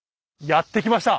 やって来ました。